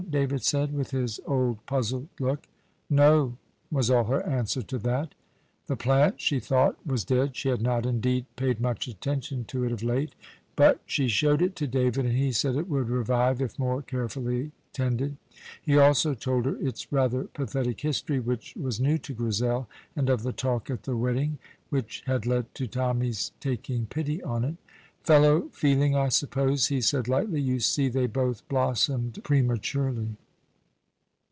David said, with his old, puzzled look. "No," was all her answer to that. The plant, she thought, was dead; she had not, indeed, paid much attention to it of late; but she showed it to David, and he said it would revive if more carefully tended. He also told her its rather pathetic history, which was new to Grizel, and of the talk at the wedding which had led to Tommy's taking pity on it. "Fellow feeling, I suppose," he said lightly; "you see, they both blossomed prematurely."